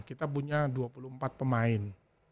kita punya dua puluh empat pemain